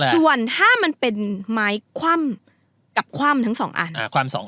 ส่วนถ้ามันเป็นไม้คว่ำกับคว่ำทั้ง๒อัน